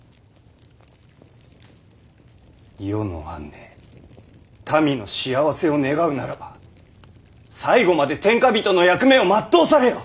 世の安寧民の幸せを願うならば最後まで天下人の役目を全うされよ。